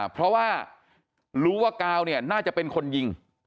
เพราะว่ารู้ว่ากาวเนี่ยน่าจะเป็นคนยิง